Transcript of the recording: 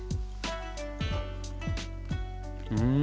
うん。